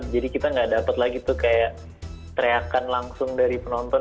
jadi kita nggak dapet lagi tuh kayak teriakan langsung dari penonton